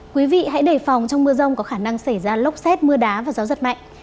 quý vị hãy đề phòng trong mưa rông có khả năng xảy ra lốc xét mưa đá và gió giật mạnh